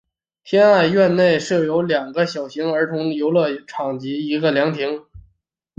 天爱苑内设有两个小型的儿童游乐场及一个凉亭。